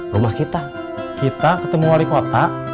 rumah kita kita ketemu wali kota